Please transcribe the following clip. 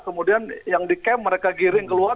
kemudian yang di camp mereka giring keluar